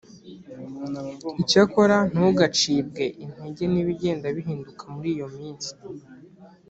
icyakora ntugacibwe intege n ibigenda bihinduka muri iyo minsi